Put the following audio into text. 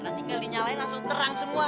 nanti nge dinyalain langsung terang semua